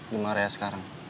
gimana raya sekarang